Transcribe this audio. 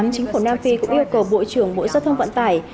chính phủ nam phi cũng yêu cầu bộ trưởng bộ giao thông vận tải